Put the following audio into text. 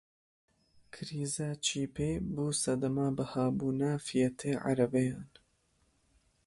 Krîza çîpê bû sedema bihabûna fiyetê erebeyan.